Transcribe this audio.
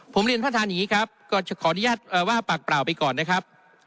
ผมเรียนท่านอย่างนี้ครับก็ขออนุญาตว่าปากเปล่าไปก่อนนะครับ